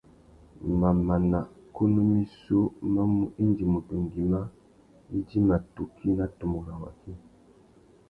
Mamana kunú missú má mú indi mutu ngüimá idjima tukí nà tumu rabú.